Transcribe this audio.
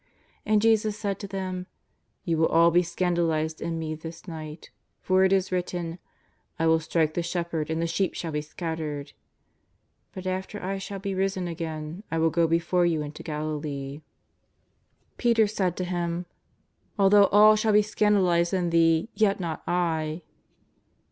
And Jesus said to them :'^ You will all be scan dalized in Me this night, for it is written :' I will strike the shepherd and the sheep shall be scattered.' But after I shall be risen again, I will go before you into Galilee." Peter said to Him: '^Although all shall be scan dalized in Thee, yet not I."